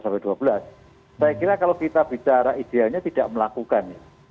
saya kira kalau kita bicara idealnya tidak melakukan